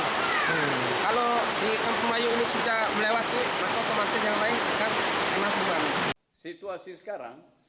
kalau di kelurahan melayu ini sudah melewati maka kemasin yang lain akan enak sebuah